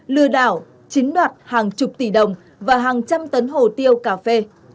lừa đảo chiếm đoạt hàng chục tỷ đồng và hàng trăm tấn hồ tiêu cà phê